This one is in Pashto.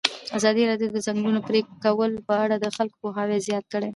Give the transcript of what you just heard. ازادي راډیو د د ځنګلونو پرېکول په اړه د خلکو پوهاوی زیات کړی.